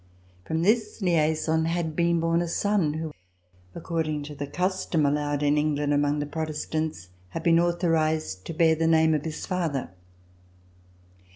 From this liaison had been born a son who, according to the custom allowed in England among the Protestants, had been authorized to bear the name of his father.